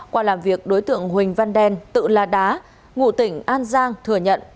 qua làm việc đối tượng huỳnh văn đen tự la đá ngụ tỉnh an giang thừa nhận